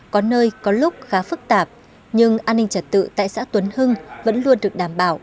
có nơi có lúc khá phức tạp nhưng an ninh trật tự tại xã tuấn hưng vẫn luôn được đảm bảo